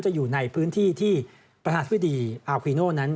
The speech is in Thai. อยู่ในพื้นที่ที่ประธานฟิดีอาร์ฟิโนนั้น